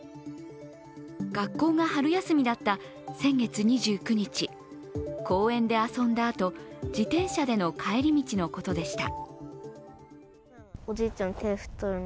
学校が春休みだった先月２９日公園で遊んだあと自転車での帰り道のことでした。